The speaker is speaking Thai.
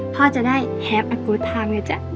พ่อจะได้แฮปอัลกูทไทม์นะจ๊ะ